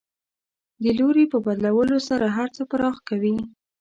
د لوري په بدلولو سره هر څه پراخ کوي.